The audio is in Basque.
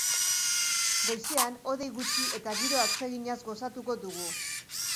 Goizean hodei gutxi eta giro atseginaz gozatuko dugu.